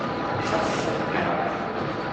你實識揀